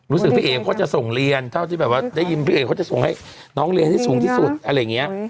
รู้สึกพี่เอกเขาจะส่งเรียนเท่าที่แบบว่าได้ยินพี่เอกเขาจะส่งให้น้องเรียนให้สูงที่สุดอะไรอย่างนี้